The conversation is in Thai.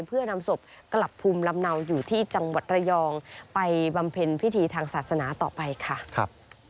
เพื่อนำศพกลับภูมิลำเนาอยู่ที่จังหวัดระยองไปบำเพ็ญพิธีทางศาสนาต่อไปค่ะครับ